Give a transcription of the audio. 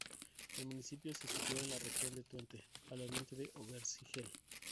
El municipio se sitúa en la región de Twente, al oriente de Overijssel.